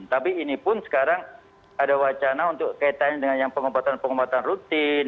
tapi ini pun sekarang ada wacana untuk kaitannya dengan yang pengobatan pengobatan rutin